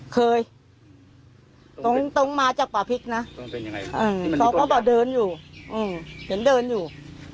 เคยตรงมาจากป่าพริกนะเขาก็บอกเดินอยู่เห็นเดินอยู่